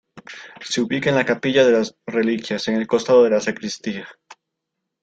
Se ubica en la Capilla de las Reliquias en el costado de la sacristía.